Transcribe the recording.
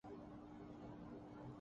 جو آیا شرمندہ ہو کے گیا۔